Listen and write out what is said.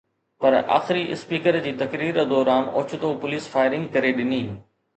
پر آخري اسپيڪر جي تقرير دوران اوچتو پوليس فائرنگ ڪري ڏني